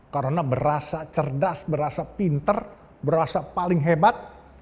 karena berasa cerdas berasa pinter berasa paling hebat